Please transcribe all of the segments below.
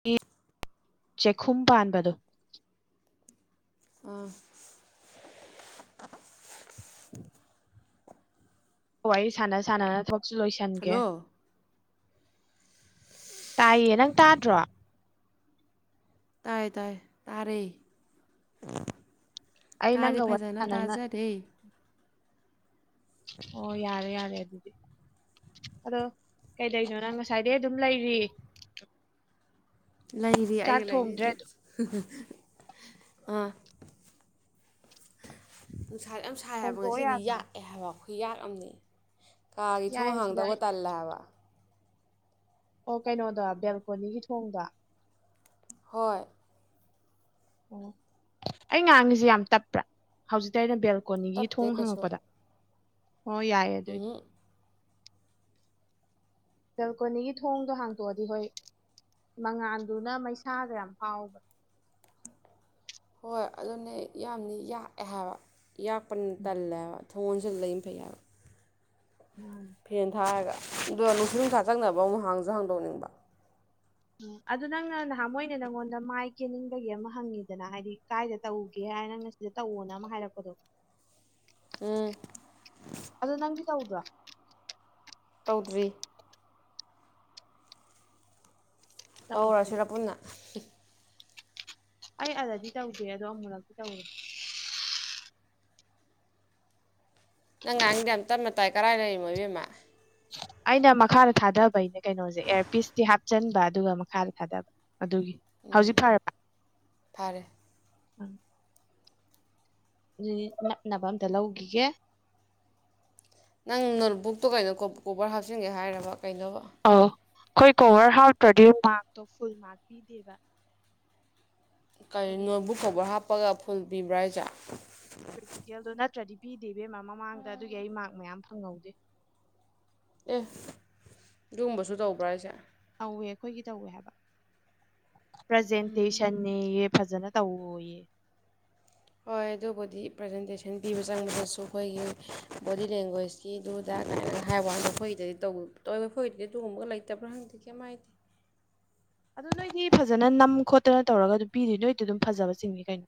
[unintelligible] ꯆꯦꯛꯈꯨꯝ ꯄꯥꯟꯕꯗꯣ ꯑꯥ [inaudible] ꯋꯥꯔꯤ ꯁꯥꯟꯅ ꯁꯥꯟꯅꯅ ꯊꯕꯛꯁꯨ ꯂꯣꯏꯁꯟꯒꯦ꯫ ꯍꯜꯂꯣ ꯇꯥꯏꯌꯦ ꯅꯪ ꯇꯥꯗ꯭ꯔꯣ? ꯇꯥꯏ ꯇꯥꯏ ꯇꯥꯔꯦ ꯑꯩ ꯇꯥꯔꯦ ꯅꯪꯒ ꯋꯥꯔꯤ ꯐꯖꯅ ꯁꯥꯟꯅꯅ ꯇꯥꯖꯥꯔꯦ ꯑꯣ ꯌꯥꯔꯦ ꯌꯥꯔꯦ ꯑꯗꯨꯗꯤ ꯑꯗꯣ ꯀꯩꯗꯩꯅꯣ ꯅꯪ ꯉꯁꯥꯏꯗꯩ ꯑꯗꯨꯝ ꯂꯩꯔꯤ ꯂꯩꯔꯤ ꯆꯥꯛ ꯑꯩꯒ ꯂꯩꯔꯤ ꯊꯣꯡꯗ꯭ꯔꯦ ꯑꯗꯨ ꯑꯥ ꯅꯨꯡꯁꯥ ꯌꯥꯝ ꯁꯥꯏ ꯍꯥꯏꯕ ꯊꯣꯡꯗꯣꯛꯑꯣ ꯉꯁꯤꯗꯤ ꯌꯥꯗ꯭ꯔꯣ ꯌꯥꯛꯑꯦ ꯍꯥꯏꯕ ꯉꯁꯤꯗꯤ ꯈꯨꯌꯥꯛꯑꯝꯅꯤ ꯀꯥꯒꯤ ꯊꯣꯡ ꯌꯥꯏꯌꯦ ꯁꯤꯗ ꯍꯥꯡꯗꯧꯕ ꯑꯩ ꯇꯜꯂꯦ ꯍꯥꯏꯕ ꯑꯣ ꯀꯩꯅꯣꯗ ꯕꯦꯜꯀꯣꯅꯤꯒꯤ ꯊꯣꯡꯗꯣ ꯍꯣꯏ ꯑꯣ ꯑꯩ ꯉꯥꯡꯉꯤꯖꯤ ꯌꯥꯝ ꯇꯞꯄ꯭ꯔꯥ ꯍꯧꯖꯤꯛꯇ ꯑꯩꯅ ꯕꯦꯜꯀꯣꯅꯤꯒꯤ ꯇꯞꯇꯦ ꯊꯣꯡ ꯀꯩꯁꯨ ꯍꯪꯉꯛꯄꯗ ꯑꯣ ꯌꯥꯏ ꯑꯗꯨꯏꯗꯤ ꯕꯦꯜꯀꯣꯅꯤꯒꯤ ꯊꯣꯡꯗꯣ ꯍꯥꯡꯇꯣꯛꯑꯗꯤ ꯍꯣꯏ ꯃꯉꯥꯥꯟꯗꯨꯅ ꯃꯩꯁꯥꯒ ꯌꯥꯝ ꯐꯥꯎꯕ ꯍꯣꯏ ꯑꯗꯨꯅꯦ ꯌꯥꯝꯅꯤ ꯌꯥꯛꯑꯦ ꯍꯥꯏꯕ ꯌꯥꯛꯄꯅꯤꯅ ꯇꯜꯂꯦꯕ ꯊꯣꯡ ꯂꯣꯟꯁꯤꯜꯂ ꯂꯩꯕꯅ ꯐꯩ ꯍꯥꯏꯕ ꯎꯝ [inaudible] [unintelligible] ꯐꯦꯟ ꯊꯥꯔꯒ ꯑꯗꯣ ꯅꯨꯡꯁꯤꯠ ꯅꯨꯡꯁꯥ ꯆꯪꯅꯕ ꯑꯃꯨꯛ ꯍꯥꯡꯁꯨ ꯍꯥꯡꯗꯣꯛꯅꯤꯡꯕ ꯎ ꯑꯗꯨ ꯅꯪꯅ ꯅꯍꯥꯟ ꯃꯣꯏꯅ ꯅꯪꯉꯣꯟꯗ ꯃꯥꯏ ꯀꯦꯅꯤꯡꯕꯒꯤ ꯑꯃ ꯍꯪꯉꯤꯗꯅ ꯍꯥꯏꯗꯤ ꯀꯥꯏꯗ ꯇꯧꯒꯦ ꯍꯥꯏꯅ ꯅꯪ ꯁꯤꯗ ꯇꯧꯋꯣꯅ ꯑꯃ ꯍꯥꯏꯔꯛꯄꯗꯣ ꯎꯝ ꯑꯗꯣ ꯅꯪꯗꯤ ꯇꯧꯕ꯭ꯔꯣ ꯇꯧꯗ꯭ꯔꯤ ꯇꯧꯗꯤꯌꯦ ꯇꯧꯔꯁꯤꯔ ꯄꯨꯟꯅ ꯑꯩ ꯑꯦꯂ꯭ꯔꯖꯤ ꯇꯧꯗꯤꯌꯦ ꯑꯗꯣ ꯑꯃꯨꯛꯂꯛꯇꯤ ꯇꯧꯋꯦ ꯅꯪ ꯉꯥꯡꯉꯤꯗꯣ ꯌꯥꯝ ꯇꯞꯅ ꯇꯥꯏ ꯀꯔꯥꯏ ꯂꯩꯔꯤꯃꯣ ꯏꯕꯦꯝꯃ ꯑꯩꯅ ꯃꯈꯥꯗ ꯊꯥꯗꯕꯩꯅꯤ ꯀꯩꯅꯣꯁꯦ ꯑꯦꯌꯥꯔꯄꯤꯁꯇꯤ ꯍꯥꯞꯆꯤꯟꯕ ꯑꯗꯨꯒ ꯃꯈꯥꯗ ꯊꯥꯗꯕ ꯑꯗꯨꯒꯤ ꯍꯧꯖꯤꯛ ꯐꯔꯕ ꯐꯔꯦ ꯎ ꯅꯞꯅꯕ ꯑꯝꯇ ꯂꯧꯈꯤꯒꯦ ꯅꯪ ꯅꯣꯠꯕꯨꯛꯇꯣ ꯀꯩꯅꯣ ꯀꯣꯕꯔ ꯍꯥꯞꯆꯤꯟꯒꯦ ꯍꯥꯏꯔꯕ ꯀꯩꯅꯣꯕ ꯑꯧ ꯑꯩꯈꯣꯏ ꯀꯣꯚꯔ ꯍꯥꯎꯇ꯭ꯔꯗꯤ ꯃꯥꯔꯛꯇꯣ ꯐꯨꯜ ꯃꯥꯔꯛ ꯄꯤꯗꯦꯕ ꯀꯩꯅꯣ ꯍꯥꯏꯗꯤ ꯅꯣꯠꯕꯨꯛ ꯀꯣꯕꯔ ꯍꯥꯞꯄꯒ ꯐꯨꯜ ꯄꯤꯕ꯭ꯔꯥ ꯍꯥꯏꯁꯦ ꯄ꯭ꯔꯦꯛꯇꯤꯀꯦꯜꯗꯣ ꯅꯠꯇ꯭ꯔꯗꯤ ꯄꯤꯗꯦ ꯏꯕꯦꯝꯃ ꯃꯃꯥꯡꯗ ꯑꯗꯨꯒꯤ ꯑꯩ ꯃꯥꯔꯛ ꯃꯌꯥꯝ ꯐꯪꯍꯧꯗꯦ ꯑꯦ ꯑꯗꯨꯒꯨꯝꯕꯁꯨ ꯇꯧꯕ꯭ꯔꯥ ꯑꯩꯁꯦ ꯇꯧꯋꯦ ꯑꯩꯈꯣꯏꯒꯤ ꯇꯧꯋꯦ ꯍꯥꯏꯕ ꯄ꯭ꯔꯖꯦꯟꯇꯦꯁꯟ ꯅꯦꯌꯦ ꯐꯖꯅ ꯇꯧꯋꯣꯌꯦ ꯍꯣꯏ ꯑꯗꯨ ꯕꯨꯗꯤ ꯄ꯭ꯔꯖꯦꯟꯇꯦꯁꯟ ꯄꯤꯕ ꯆꯪꯕꯗꯁꯨ ꯑꯩꯈꯣꯏꯒꯤ ꯕꯣꯗꯤ ꯂꯦꯡꯒꯣꯏꯁ ꯀꯤꯗꯨꯗ ꯀꯥꯏꯅꯒ ꯍꯥꯏꯕ ꯋꯥꯅꯦ ꯈꯣꯏꯗꯗꯤ ꯇ ꯇꯧꯕ ꯈꯣꯏꯗꯗꯤ ꯑꯗꯨꯒꯨꯝꯕꯒ ꯂꯩꯇꯕ꯭ꯔꯥ ꯍꯪꯗꯦ ꯀꯩꯝ ꯍꯥꯏꯗꯦ ꯑꯗꯣ ꯅꯣꯏꯗꯤ ꯐꯖꯅ ꯅꯝ ꯈꯣꯠꯇꯅ ꯇꯧꯔꯒ ꯑꯗꯨꯝ ꯄꯤꯗꯣꯏ ꯅꯣꯏꯗꯤ ꯑꯗꯨꯝ ꯐꯖꯕ ꯆꯤꯡꯉꯤ ꯀꯩꯅꯣ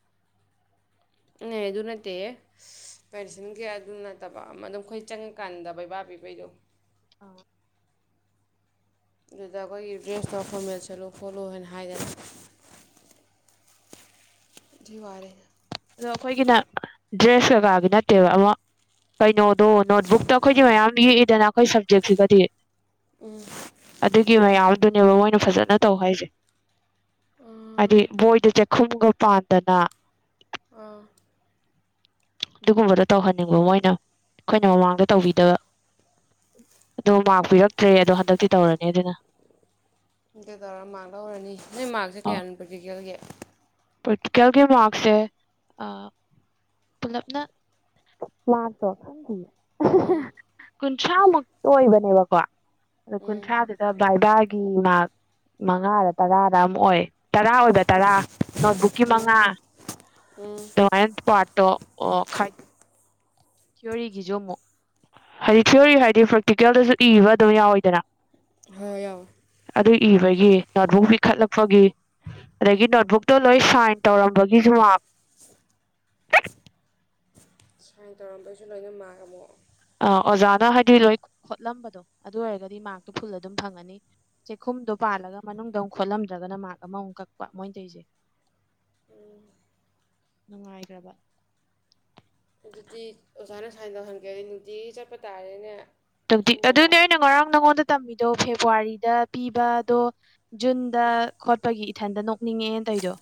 ꯑꯗꯨ ꯅꯠꯇꯦꯍꯦ ꯄꯦꯟꯁꯤꯟꯒꯤ ꯑꯗꯨ ꯅꯠꯇꯕ ꯑꯗꯨꯝ ꯑꯩꯈꯣꯏ ꯆꯪꯉꯀꯥꯟꯗ ꯕꯩꯕꯥ ꯄꯤꯕꯩꯗꯣ [unintelligible] ꯑꯗꯨꯗ ꯑꯩꯈꯣꯏꯒꯤ ꯗ꯭ꯔꯦꯁꯇꯣ ꯐꯣꯔꯃꯦꯜ ꯆꯠꯂꯨ ꯈꯣꯠꯂꯨ ꯍꯥꯏꯅ ꯍꯥꯏꯗꯅ ꯋꯥꯔꯦꯅ ꯑꯗꯣ ꯑꯩꯈꯣꯏꯒꯤꯅ ꯗ꯭ꯔꯦꯁ ꯀꯩꯀꯥꯒꯤ ꯅꯠꯇꯦꯕ ꯑꯃꯨꯛ ꯀꯩꯅꯣꯗꯣ ꯅꯣꯠꯕꯨꯛꯇꯣ ꯑꯩꯈꯣꯏꯗꯤ ꯃꯌꯥꯝ ꯌꯦꯛꯏꯗꯅ ꯑꯩꯈꯣꯏ ꯁꯞꯖꯦꯛꯁꯤꯒꯗꯤ ꯑꯗꯨꯒꯤ ꯃꯌꯥꯝꯗꯨꯅꯦꯕ ꯃꯣꯏꯅ ꯐꯖꯅ ꯇꯧ ꯍꯥꯏꯁꯦ ꯍꯥꯏꯗꯤ ꯕꯣꯏꯗ ꯆꯥꯛꯈꯨꯝꯒ ꯄꯥꯟꯗꯅ ꯑꯥ ꯑꯗꯨꯒꯨꯝꯕꯗꯣ ꯇꯧꯍꯟꯅꯤꯡꯕ ꯃꯣꯏꯅ ꯑꯩꯈꯣꯏꯅ ꯃꯃꯥꯡꯗ ꯇꯧꯕꯤꯗꯕ ꯑꯗꯣ ꯃꯥꯔ ꯄꯤꯔꯛꯇ꯭ꯔꯦ ꯑꯗꯣ ꯍꯟꯗꯛꯇꯤ ꯇꯧꯔꯅꯤ ꯑꯗꯨꯅ ꯑꯗꯨ ꯇꯧꯔꯒ ꯃꯥꯔꯛ ꯂꯧꯔꯅꯤ ꯅꯣꯏ ꯃꯥꯔꯛꯁꯦ ꯑ ꯀꯌꯥꯅꯣ ꯄ꯭ꯔꯦꯛꯇꯤꯀꯦꯜꯒꯤ ꯄ꯭ꯔꯦꯛꯇꯤꯀꯦꯜꯒꯤ ꯃꯥꯔꯛꯁꯦ ꯑ ꯄꯨꯂꯞꯅ ꯃꯥꯛꯇꯣ ꯀꯨꯟꯊ꯭ꯔꯥꯃꯨꯛꯇ ꯑꯣꯏꯕꯅꯦꯕꯀꯣ ꯑꯗꯣ ꯀꯨꯟꯊ꯭ꯔꯥꯗꯨꯗ ꯕꯥꯏꯕꯥꯒꯤ ꯃꯥꯛ ꯃꯉꯥꯔ ꯇꯔꯥꯔ ꯑꯃ ꯑꯣꯏ ꯇꯔꯥ ꯑꯣꯏꯕ ꯇꯔꯥ ꯅꯣꯠꯕꯨꯛꯀꯤ ꯃꯉꯥ ꯑꯗꯨꯃꯥꯏꯟ ꯄꯥꯔꯠꯇꯣ ꯑꯣ ꯈꯥꯏꯗꯣꯛ ꯊꯤꯑꯣꯔꯤꯒꯤꯁꯨ ꯑꯃꯨꯛ ꯍꯥꯏꯗꯤ ꯊꯤꯌꯣꯔꯤ ꯍꯥꯏꯗꯤ ꯄ꯭ꯔꯦꯛꯇꯤꯀꯦꯜꯗꯁꯨ ꯏꯕ ꯑꯗꯨꯝ ꯌꯥꯎꯋꯤꯗꯅ ꯍꯣꯏ ꯌꯥꯎ ꯑꯗꯨ ꯏꯕꯒꯤ ꯅꯣꯠꯕꯨꯛ ꯄꯤꯈꯠꯂꯛꯄꯒꯤ ꯑꯗꯒꯤ ꯅꯣꯠꯕꯨꯛꯇꯣ ꯂꯣꯏ ꯁꯥꯏꯟ ꯇꯧꯔꯝꯕꯒꯤꯁꯨ ꯃꯥꯛ ꯁꯥꯏꯟ ꯇꯧꯔꯝꯕꯩꯁꯨ ꯂꯣꯏꯅ ꯃꯥꯛ ꯑꯃꯨꯛ ꯑ ꯑꯣꯖꯥꯅ ꯍꯥꯏꯗꯤ ꯂꯣꯏ ꯈꯣꯠꯂꯝꯕꯗꯣ ꯑꯗꯨ ꯑꯣꯏꯔꯒꯗꯤ ꯃꯥꯔꯛꯇꯣ ꯐꯨꯜ ꯑꯗꯨꯝ ꯐꯪꯉꯅꯤ ꯆꯦꯛꯈꯨꯝꯗꯣ ꯄꯥꯜꯂꯒ ꯃꯅꯨꯡꯗ ꯑꯃꯨꯛ ꯈꯣꯠꯂꯝꯗ꯭ꯔꯒꯅ ꯃꯥꯥꯛ ꯑꯃꯃꯨꯛ ꯀꯛꯄ ꯃꯣꯏꯅ ꯇꯧꯢꯁꯦ [inaudible] ꯅꯨꯡꯉꯥꯏꯈ꯭ꯔꯕ ꯑꯗꯨꯗꯤ ꯑꯣꯖꯥꯅ ꯁꯥꯏꯟ ꯇꯧꯍꯟꯒꯦꯗꯤ ꯅꯨꯡꯇꯤꯒꯤ ꯆꯠꯄ ꯇꯥꯔꯦꯅꯦ ꯇꯗꯤ ꯈꯪꯅꯕ ꯑꯗꯨꯅꯦ ꯑꯩꯅ ꯉꯔꯥꯡ ꯅꯪꯉꯣꯟꯗ ꯇꯝꯃꯤꯗꯣ ꯐꯦꯕꯋꯥꯔꯤꯗ ꯄꯤꯕ ꯑꯗꯣ ꯖꯨꯟꯗ ꯈꯣꯠꯄꯒꯤ ꯏꯊꯟꯗ ꯅꯣꯛꯅꯤꯡꯉꯦ ꯇꯩꯗꯣ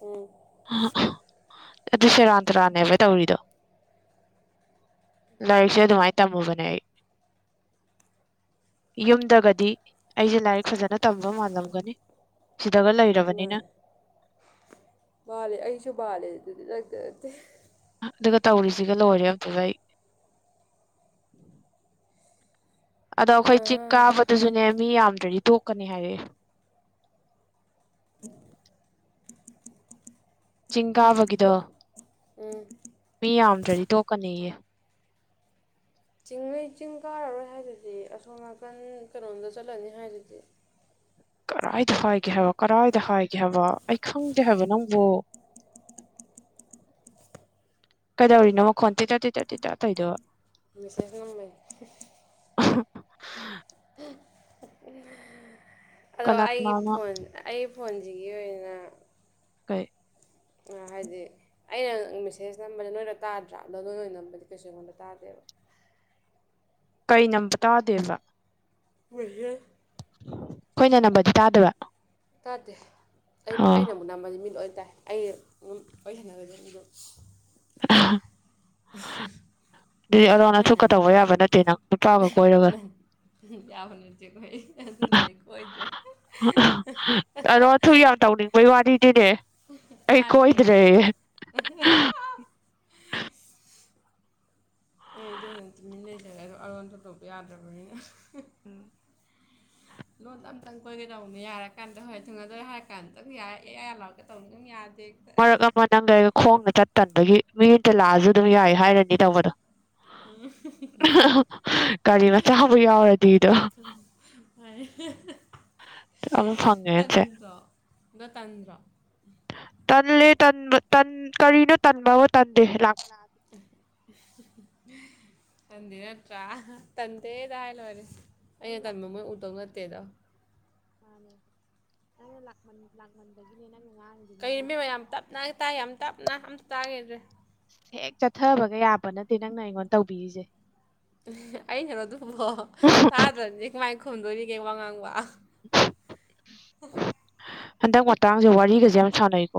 ꯎꯝ ꯑꯗꯨ ꯁꯦꯔꯥꯟ ꯇꯨꯔꯥꯟꯅꯦꯕ ꯇꯧꯔꯤꯗꯣ ꯂꯥꯏꯔꯤꯛꯁꯦ ꯑꯗꯨꯃꯥꯏ ꯇꯝꯃꯕꯅꯦ ꯌꯨꯝꯗꯒꯗꯤ ꯑꯩꯁꯦ ꯂꯥꯏꯔꯤꯛ ꯐꯖꯅ ꯇꯝꯕ ꯃꯥꯜꯂꯝꯒꯅꯤ ꯁꯤꯗꯒ ꯂꯩꯔꯕꯅꯤꯅ ꯃꯥꯅꯦ ꯃꯥꯜꯂꯦ ꯑꯩꯁꯨ ꯃꯥꯜꯂꯦ ꯅꯪꯗ ꯅꯠꯇꯦ ꯑꯗꯨꯒ ꯇꯧꯔꯤꯁꯤꯒ ꯂꯣꯏꯔꯦ ꯑꯝꯇꯚ ꯑꯩ ꯑꯗꯣ ꯑꯩꯈꯣꯏ ꯆꯤꯡ ꯎꯝ ꯀꯥꯕꯗꯨꯁꯨꯅꯦ ꯃꯤ ꯌꯥꯝꯗ꯭ꯔꯗꯤ ꯇꯣꯛꯀꯅꯤ ꯍꯥꯏꯔꯛꯑꯦ ꯆꯤꯡ ꯀꯥꯕꯒꯤꯗꯣ ꯃꯤ ꯌꯥꯝꯗ꯭ꯔꯗꯤ ꯇꯣꯛꯀꯅꯦꯌꯦ ꯆꯤꯡꯂꯩ ꯆꯤꯡ ꯀꯥꯔꯔꯣꯏ ꯍꯥꯏꯗꯨꯗꯤ ꯑꯁꯣꯝ ꯅꯥꯀꯟ ꯀꯩꯅꯣꯝꯗ ꯆꯠꯂꯅꯤ ꯍꯥꯏꯗꯨꯗꯤ ꯀꯔꯥꯏꯗ ꯍꯥꯏꯒꯦ ꯍꯥꯏꯕ ꯀꯔꯥꯏꯗ ꯍꯥꯏꯒꯦ ꯍꯥꯏꯕ ꯑꯩ ꯈꯪꯗꯦ ꯍꯥꯏꯕ ꯅꯪꯕꯨ [inaudible] ꯀꯩꯗꯧꯔꯤꯅꯣ ꯈꯣꯟꯇꯤ ꯇꯠ ꯇꯤ ꯇꯠ ꯇꯤ ꯇꯩꯗꯣꯕꯣ ꯃꯤꯁꯦꯁ ꯅꯝꯕꯩꯅꯦ ꯑꯗꯣ ꯀꯅꯥ ꯑꯩꯒꯤ ꯀꯅꯥꯅꯣ ꯐꯣꯟ ꯑꯩ ꯐꯣꯟꯁꯤꯒꯤ ꯑꯣꯏꯅ ꯀꯩ ꯍꯥꯏꯗꯤ ꯑꯩꯅ ꯃꯦꯁꯦꯖ ꯅꯝꯕꯔꯁ ꯅꯣꯏꯅ ꯇꯥꯗ꯭ꯔꯥ ꯑꯗꯣ ꯅꯣꯏꯅ ꯅꯝꯕꯗꯤ ꯀꯩꯁꯨ ꯑꯩꯉꯣꯟꯗ ꯇꯥꯗꯦꯕ ꯀꯩ ꯅꯝꯕ ꯇꯥꯗꯦꯕ ꯃꯦꯁꯦꯖ ꯑꯩꯈꯣꯏꯅ ꯅꯝꯕꯗꯤ ꯇꯥꯗꯕ ꯇꯥꯗꯦ ꯑꯩꯕꯨ ꯑꯣ ꯑꯩꯅ ꯅꯝꯕꯗꯤ ꯃꯤ ꯂꯣꯏ ꯇꯥꯏ ꯑꯩ ꯑꯗꯨꯝ ꯋꯥꯔꯤ ꯁꯥꯟꯅꯒ꯭ꯔꯗꯤ ꯑꯗꯨꯝ [inaudible] [unintelligible] ꯑꯂꯣꯟ ꯅꯣꯏꯅ ꯑꯊꯨꯞꯀ ꯇꯧꯕ ꯌꯥꯕ ꯅꯠꯇꯦ ꯅꯪ ꯅꯨꯄꯥꯒ ꯀꯣꯏꯔꯒ [unintelligible] ꯈꯣꯏ ꯑꯗꯨꯅ ꯑꯩ ꯀꯣꯏꯗ꯭ꯔꯦ [unintelligible] ꯑꯗꯣ ꯊꯨꯛ ꯌꯥꯝ ꯇꯧꯅꯤꯡꯕꯩ ꯋꯥꯔꯤꯗꯤꯅꯦ ꯑꯩ ꯃꯥꯅꯤ ꯀꯩꯅꯣ ꯀꯣꯏꯗ꯭ꯔꯦ [unintelligible] ꯑꯩ ꯑꯗꯨꯅ ꯇꯨꯃꯤꯟ꯭ ꯂꯩꯖꯔꯦ ꯑꯗꯣ ꯑꯔꯣꯟ ꯊꯨꯞ ꯇꯧꯕ ꯌꯥꯗ꯭ꯔꯕꯅꯤꯅ [inaudible] [inaudible] ꯂꯣꯟꯗ ꯑꯝꯇꯪ ꯀꯣꯏꯒꯦ ꯇꯧꯅꯤ ꯌꯥꯔ ꯀꯥꯟꯗ ꯍꯣꯏ ꯊꯨꯡꯅꯗꯣꯔꯦ ꯍꯥꯏ ꯀꯥꯟꯗ [unintelligible] ꯑꯦ ꯌꯥ ꯌꯥ ꯂꯥꯎꯔꯒ ꯇꯧꯅꯤ ꯎꯪ ꯌꯥꯗꯦ ꯃꯔꯛ ꯑꯃ ꯅꯪꯒ ꯑꯩꯒ ꯈꯣꯡꯅ ꯆꯠ ꯇꯟꯕꯒꯤ ꯃꯤ ꯑꯇ ꯂꯥꯛꯑꯖꯨ ꯑꯗꯨꯝ ꯌꯥꯏ ꯍꯥꯏꯔꯅꯤ ꯇꯧꯕꯗꯣ ꯎꯝ [unintelligible] [unintelligible] ꯒꯥꯔꯤ ꯃꯆꯥꯕꯨ ꯌꯥꯎꯔꯗꯤꯗꯣ ꯎꯝ [unintelligible] ꯑꯃꯨꯛ ꯐꯪꯉꯦ [unintelligible] ꯑꯩꯁꯦ ꯇꯟꯗ꯭ꯔꯣ ꯅꯥ ꯇꯟꯗ꯭ꯔꯣ ꯇꯜꯂꯦ ꯇꯟꯕ ꯇꯟ ꯀꯔꯤꯅꯣ ꯇꯟꯕꯥꯕꯨ ꯇꯟꯗꯦ ꯂꯥꯛ [inaudible] ꯇꯟꯗꯦ ꯅꯠꯇ꯭ꯔꯥ ꯑꯍꯥ ꯇꯟꯗꯦꯗ ꯍꯥꯏ ꯂꯣꯏꯔꯦ ꯑꯩꯅ ꯃꯥꯅꯦ ꯇꯟꯕ ꯃꯣꯏ ꯎꯗꯧ ꯅꯠꯇꯦꯗꯣ [unintelligible] ꯀꯩ ꯃꯤꯃꯥ ꯌꯥꯝ ꯇꯞꯅ ꯇꯥꯏ ꯌꯥꯝ ꯇꯞꯅ ꯑꯝꯇ ꯇꯥꯒꯤꯗ꯭ꯔꯦ ꯍꯦꯛ ꯆꯠꯊꯕꯒ ꯌꯥꯕ ꯅꯠꯇꯦ ꯅꯪꯅ ꯑꯩꯉꯣꯟ ꯇꯧꯕꯤꯔꯤꯖꯦ ꯑꯩꯩꯅꯔꯣ ꯑꯗꯨꯕꯣ ꯊꯥꯗ꯭ꯔꯗꯤ ꯀꯃꯥꯏ ꯈꯨꯝꯗꯣꯔꯤꯒꯦ ꯋꯥ ꯉꯥꯡꯕ ꯍꯟꯗꯛ ꯃꯇꯥꯡꯖꯦ ꯋꯥꯔꯤꯒꯖꯦ ꯌꯥꯝ ꯁꯥꯟꯅꯩꯀꯣ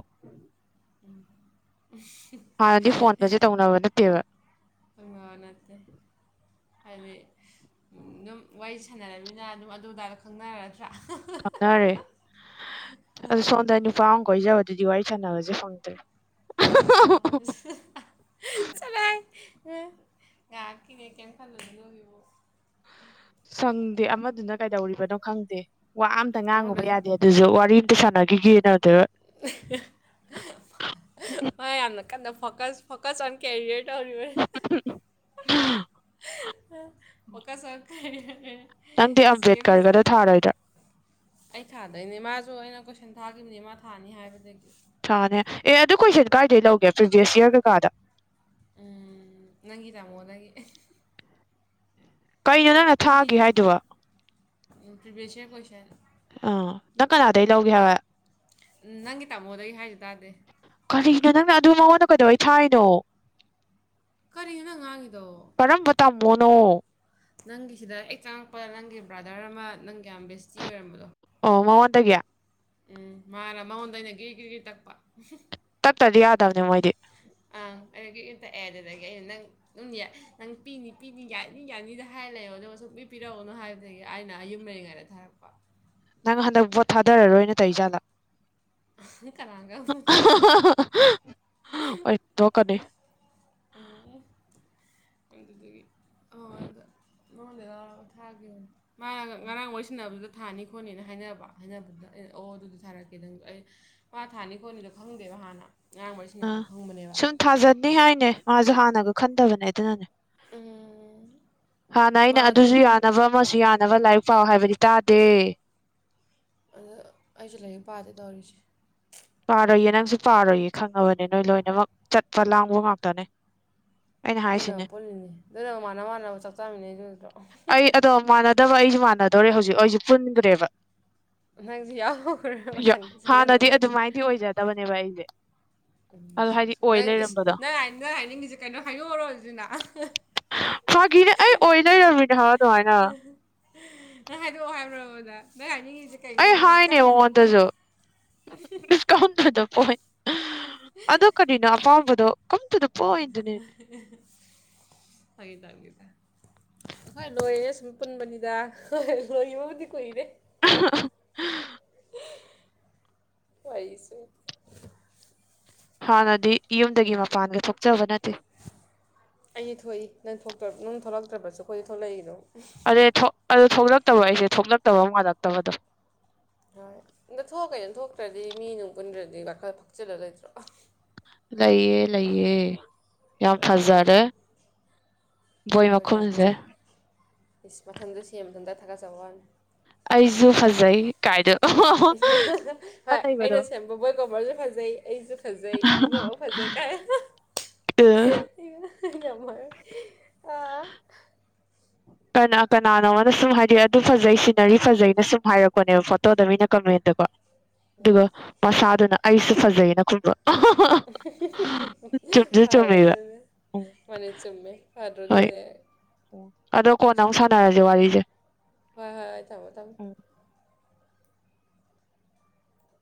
ꯍꯥꯟꯅꯗꯤ ꯐꯣꯟꯒꯖꯦ ꯇꯧꯅꯕ ꯅꯠꯇꯦꯕ [unintelligible] ꯅꯠꯇꯦ ꯍꯥꯏꯗꯤ ꯗꯨꯝ ꯋꯥꯔꯤ ꯁꯥꯟꯅꯔꯞꯅꯤꯅ ꯑꯗꯨꯝ ꯑꯗꯨ ꯗꯥꯗꯣ ꯈꯪꯅꯔꯗ꯭ꯔꯥ [unintelligible] ꯈꯪꯅꯔꯦ ꯑꯗꯣ ꯁꯣꯝꯗ ꯅꯨꯄꯥ ꯑꯃ ꯀꯣꯏꯖꯕꯗꯨꯗꯤ ꯋꯥꯔꯤ ꯁꯥꯟꯅꯕꯁꯦ ꯐꯪꯗ꯭ꯔꯦ [unintelligible] [unintelligible] ꯆꯂꯥꯏ ꯑꯥ ꯉꯍꯥꯛꯀꯤꯅꯦ ꯀꯩꯝ ꯈꯜꯂꯨ ꯑꯗꯨꯒꯤꯕꯨ ꯁꯪꯗꯦ ꯑꯃꯗꯨꯅ ꯀꯩꯗꯧꯔꯤꯕꯅꯣ ꯈꯪꯗꯦ ꯋꯥ ꯑꯝꯇ ꯉꯥꯡꯉꯨꯕ ꯑꯩꯉꯣꯟꯗ ꯌꯥꯗꯦ ꯑꯗꯨꯖꯨ ꯋꯥꯔꯤ ꯑꯝꯇ ꯁꯥꯟꯅꯒꯤꯒꯦꯅ ꯑꯗ ꯃꯥ ꯌꯥꯝꯅ ꯀꯟꯅ ꯐꯣꯀꯁ ꯐꯣꯀꯁ ꯑꯣꯟ ꯀꯦꯔꯤꯌꯔ ꯇꯧ [unintelligible] [unintelligible] ꯐꯣꯀꯁ ꯑꯣꯟ ꯀꯦꯔꯤꯌꯔ [unintelligible] ꯅꯪꯗꯤ ꯑꯝꯕꯦꯗꯀꯔꯒꯗꯣ ꯊꯥꯔꯣꯏꯗ꯭ꯔꯥ ꯑꯩ ꯊꯥꯗꯣꯏꯅꯦ ꯃꯥꯖꯨ ꯑꯩꯅ ꯀꯣꯏꯁꯟ ꯊꯥꯒꯤꯈꯤꯕꯅꯤ ꯃꯥ ꯊꯥꯅꯤ ꯍꯥꯏꯕꯗꯒꯤ ꯊꯥꯅꯦ ꯑꯦ ꯑꯗꯨ ꯀꯣꯏꯁꯟ ꯀꯥꯏꯗꯩ ꯂꯧꯒꯦ ꯄ꯭ꯔꯤꯚꯤꯌꯁ ꯌꯔ ꯀꯩꯀꯥꯗ ꯎꯝ ꯅꯪꯒꯤ ꯇꯥꯃꯣꯗꯒꯤ [unintelligible] ꯀꯩꯅꯣ ꯅꯪꯅ ꯊꯥꯒꯤ ꯍꯥꯏꯗꯨꯕꯣ ꯎꯝ ꯄ꯭ꯔꯤꯚ꯭ꯌꯁ ꯌꯔ ꯀꯣꯢꯁꯟ ꯑꯥ ꯅꯪ ꯀꯅꯥꯗꯩ ꯂꯧꯒꯦ ꯍꯥꯏꯕ ꯎꯝ ꯅꯪꯒꯤ ꯇꯥꯃꯣꯗꯩ ꯍꯥꯏꯖꯦ ꯇꯥꯗꯦ ꯀꯔꯤꯒꯤꯅꯣ ꯅꯪꯅ ꯑꯗꯨ ꯃꯉꯣꯟꯗ ꯀꯩꯗꯧꯕꯩ ꯊꯥꯢꯅꯣ ꯀꯔꯤꯅꯣ ꯅꯪ ꯉꯥꯡꯉꯤꯗꯣ ꯀꯔꯝꯕ ꯇꯥꯃꯣꯅꯣ ꯅꯪꯒꯤ ꯁꯤꯗ ꯍꯦꯛ ꯆꯪꯉꯛꯄ ꯅꯪꯒꯤ ꯕ꯭ꯔꯥꯗꯔ ꯑꯃ ꯅꯪꯒꯤ ꯌꯥꯝ ꯕꯦꯁꯇꯤ ꯑꯣꯏꯔꯝꯕꯗꯣ ꯑꯣ ꯃꯉꯣꯟꯇꯒꯤ ꯎꯝ ꯃꯥꯔꯥꯥ ꯃꯉꯣꯟꯗ ꯑꯩꯅ ꯒ꯭ꯔꯤ ꯒ꯭ꯔꯤ ꯒꯤ ꯇꯛꯄ ꯇꯠꯇꯗꯤ ꯌꯥꯗꯕꯅꯦ ꯃꯣꯏꯗꯤ ꯑꯥ ꯑꯗꯒꯤ ꯏꯟ ꯇꯛꯑꯦ ꯑꯗꯨꯗꯒꯤ ꯑꯩꯅ ꯅꯪ ꯗꯨꯝ ꯌꯥ ꯅꯪ ꯄꯤꯅꯤ ꯄꯤꯅꯤ ꯌꯥꯅꯤ ꯌꯥꯅꯤꯗ ꯍꯥꯏꯔ ꯂꯩꯑꯣ ꯑꯗꯨꯒ ꯁꯨꯝ ꯄꯤ ꯄꯤꯔꯛꯑꯣꯅꯣ ꯍꯥꯏꯕꯗꯒꯤ ꯑꯩꯅ ꯌꯨꯝ ꯂꯩꯔꯤꯉꯩꯗ ꯊꯔꯛꯄ ꯅꯪ ꯍꯟꯗꯛ ꯕꯣꯠ ꯊꯥꯗꯔꯥꯔꯣꯏ ꯅ ꯇꯧꯔꯤ ꯖꯥꯠꯔꯥ ꯀꯅꯥꯒ [unintelligible] ꯇꯣꯛꯀꯅꯤ [unintelligible] ꯑꯗꯨꯗꯒꯤ ꯑꯉꯣꯟꯗ ꯅꯥꯉꯣꯟꯗꯩ ꯂꯧꯔꯥ ꯊꯥꯒꯤꯕꯟ ꯃꯥ ꯉꯔꯥꯡ ꯋꯔꯤꯁꯟꯅꯕꯗꯨꯗ ꯊꯥꯅꯤ ꯈꯣꯠꯅꯤꯅ ꯍꯥꯏꯅꯕ ꯍꯥꯏꯅꯕꯗꯨꯗ ꯑꯩꯅ ꯑꯣ ꯑꯗꯨꯗꯤ ꯊꯥꯔꯛꯀꯦꯗꯪ ꯑꯩ ꯄꯥ ꯊꯥꯅꯤ ꯈꯣꯠꯅꯤꯗꯣ ꯈꯪꯗꯦꯕ ꯍꯥꯟꯅ ꯉꯥꯔꯥꯡ ꯋꯥꯔꯤ ꯁꯥꯅꯕꯗꯥ ꯈꯪꯕꯅꯦꯕ ꯊꯥꯖꯠꯅꯤ ꯍꯥꯏꯅꯦ ꯃꯥꯁꯨ ꯍꯥꯟꯅꯒ ꯈꯟꯗꯕꯅꯦ ꯑꯗꯨꯅꯅꯦ ꯎꯝ ꯍꯥꯟꯅ ꯃꯥ ꯑꯩꯅ ꯑꯗꯨꯝ ꯑꯗꯨꯁꯨ ꯌꯥꯟ ꯅꯕ ꯑꯃꯁꯨ ꯌꯥꯅꯕ ꯂꯥꯏꯔꯤꯛ ꯄꯥꯎ ꯍꯥꯏꯕꯗꯤ ꯇꯥꯗꯦ ꯑꯗ ꯑꯩꯁꯨ ꯂꯥꯏꯔꯤꯛ ꯄꯥꯗꯦ ꯇꯧꯔꯤꯁꯦ ꯄꯥꯔꯣꯏꯌꯦ ꯅꯪꯁꯨ ꯄꯥꯔꯣꯏꯌꯦ ꯈꯪꯉꯕꯅꯦ ꯅꯣꯏ ꯂꯣꯏꯅꯃꯛ ꯆꯠꯄ ꯂꯥꯡꯕ ꯉꯥꯛꯇꯅꯦ ꯑꯩꯅ ꯑꯗꯨꯅ ꯍꯥꯏꯁꯤꯅꯦ ꯄꯨꯜꯂꯤꯅꯦ ꯑꯗꯨ ꯃꯥꯟꯅ ꯃꯥꯟꯅꯕ ꯆꯥꯛ ꯆꯥꯃꯤꯟꯅꯩꯁꯨ ꯎꯗ꯭ꯔꯣ ꯑꯩ ꯑꯗꯣ ꯃꯥꯟꯅꯗꯕ ꯑꯩꯁꯨ ꯃꯥꯟꯅꯗꯧꯔꯦ ꯍꯧꯖꯤꯛ ꯑꯩꯁꯨ ꯄꯨꯟꯗ꯭ꯔꯦꯕ ꯅꯪꯁꯨ ꯌꯥꯎꯈ꯭ꯔꯕ ꯐꯤꯌꯥ ꯁꯪꯒ ꯍꯥꯟꯅꯗꯤ ꯁꯪꯒꯅꯕ ꯑꯗꯨꯃꯥꯏꯟꯗꯤ ꯑꯣꯏꯖꯗꯕꯅꯦꯕ ꯑꯩꯁꯦ ꯎꯝ ꯑꯗꯣ ꯍꯥꯏꯗꯤ ꯁꯛꯁꯤ ꯑꯣꯏ ꯅꯪ ꯏꯁ ꯂꯩꯔꯝꯕꯗꯣ ꯅꯪ ꯍꯥꯏ ꯅꯪ ꯍꯥꯏꯅꯤꯡꯉꯁꯤ ꯀꯩꯅꯣ ꯍꯥꯏꯔꯛꯑꯣꯔꯣ ꯑꯗꯨꯗꯤ ꯅ ꯎ ꯒꯤꯅꯦ ꯑꯩ ꯑꯣꯏꯗꯣꯏꯔꯝꯃꯤꯅꯦ ꯍꯥꯕ ꯑꯗꯨꯃꯥꯏꯅ ꯅꯪ ꯍꯥꯏꯗꯣꯛꯑꯣ ꯍꯥꯏꯕ꯭ꯔꯕ ꯅꯪ ꯅꯣꯏ ꯍꯥꯏꯅꯤꯡꯉꯤꯁꯦ ꯀꯩꯅꯣ ꯑꯩ ꯑꯗꯨꯗꯤ ꯀꯝ ꯍꯥꯏꯅꯦ ꯇꯨꯗ ꯄꯣꯏ ꯀꯝꯇꯨꯗ ꯄꯣꯏꯟ ꯑꯗꯨ ꯀꯔꯤꯅꯣ ꯑꯄꯥꯝꯕꯗꯣ ꯀꯝꯇꯨꯗ ꯐꯥꯒꯤ ꯇꯧꯅꯤꯗꯥ ꯍꯣꯏ ꯂꯣꯏꯔꯦ ꯁꯨꯝ ꯄꯨꯟꯕꯅꯤꯗ ꯍꯣꯏ ꯂꯣꯏꯒꯤꯕꯕꯨꯗꯤ ꯀꯨꯏꯔꯦ [unintelligible] [unintelligible] ꯑꯩꯁꯨ ꯍꯥꯟꯅꯗꯤ ꯌꯨꯝꯗꯒꯤ ꯃꯄꯥꯟꯒ ꯊꯣꯛꯆꯕ ꯅꯠꯇꯦ ꯑꯩꯗꯤ ꯊꯣꯛꯏ ꯅꯪ ꯊꯣꯛꯇꯔ ꯅꯪ ꯊꯣꯛꯂꯛꯇ꯭ꯔꯕꯁꯨ ꯑꯩꯈꯣꯏꯗꯤ ꯊꯣꯛꯂꯛꯏ ꯑꯗꯨꯝ [unintelligible] ꯊꯣꯛ ꯑꯗꯨ ꯊꯣꯛꯂꯛꯇꯕ ꯑꯩꯁꯦ ꯊꯣꯛꯂꯛꯇꯕ ꯃꯥꯜꯂꯛꯇꯕꯗꯣ ꯍꯣꯏ ꯑꯗ ꯊꯣꯛ ꯀꯩꯅꯣ ꯊꯣꯛꯇ꯭ꯔꯗꯤ ꯃꯤ ꯅꯨꯡ ꯀꯨꯟꯗ꯭ꯔꯗꯤ ꯋꯥꯈꯜ ꯐꯛꯆꯜꯂ ꯂꯩꯇ꯭ꯔꯣ ꯂꯩꯌꯦ ꯂꯩꯌꯦ ꯌꯥꯝ ꯑꯗꯨꯅꯤ ꯐꯖꯔꯦ ꯕꯣꯏ ꯀꯔꯤ ꯌꯥꯝ ꯃꯈꯨꯝꯁꯦ ꯐꯖꯩ ꯏꯁ ꯃꯊꯟꯇ ꯁꯦꯝ ꯃꯊꯟꯇ ꯊꯥꯀꯠꯆꯕꯋꯥꯅꯤ ꯑꯩꯁꯨ ꯐꯖꯩ ꯀꯥꯏꯗꯣ [unintelligible] ꯂꯩꯕꯗꯣ ꯕꯕꯣꯏ ꯀꯣꯕꯔꯁꯨ ꯐꯖꯩ ꯑꯩꯁꯨ ꯐꯖꯩ ꯄꯨꯝꯅꯃꯛ ꯐꯖꯩ ꯀꯥꯏ ꯑ [unintelligible] ꯑꯥ ꯀꯅꯥ ꯀꯅꯥꯅꯣ ꯑꯃꯅ ꯁꯨꯝ ꯍꯥꯏꯗꯤ ꯑꯗꯨ ꯐꯖꯩ ꯁꯤꯅꯔꯤ ꯐꯖꯅ ꯁꯨꯝ ꯍꯥꯏꯔꯛꯄꯅꯦꯕ ꯐꯣꯇꯣꯗ ꯃꯤꯅ ꯀꯃꯦꯟꯗꯀꯣ ꯑꯗꯨꯒ ꯃꯁꯥꯗꯨꯅ ꯑꯩꯁꯨ ꯐꯖꯩꯌꯦꯅ ꯈꯨꯝꯕ ꯑꯍꯥ ꯆꯨꯝꯃꯦꯕ ꯐꯥꯔꯦꯗꯨꯅ ꯎꯝ ꯃꯅꯤ ꯆꯨꯝꯃꯦ ꯍꯣꯏ ꯐꯥꯗ꯭ꯔꯣꯗꯨꯅꯍꯦꯛ ꯑꯗꯣ ꯀꯣꯟꯅ ꯑꯃꯨꯛ ꯁꯥꯟꯅꯔꯁꯦ ꯋꯥꯔꯤꯁꯦ ꯍꯣꯏ ꯍꯣꯏ ꯍꯣꯏ ꯊꯝꯃꯣ ꯊꯝ ꯎꯝ